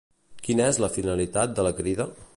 Quina és la finalitat de la Crida?